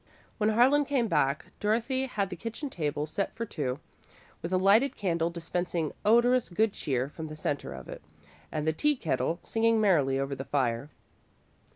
When Harlan came back, Dorothy had the kitchen table set for two, with a lighted candle dispensing odorous good cheer from the centre of it, and the tea kettle singing merrily over the fire.